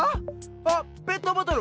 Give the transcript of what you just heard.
あっペットボトル！